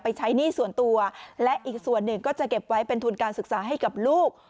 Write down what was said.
ใช้หนี้ส่วนตัวและอีกส่วนหนึ่งก็จะเก็บไว้เป็นทุนการศึกษาให้กับลูก